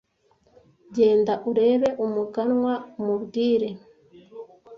genda urebe umuganwa umubwire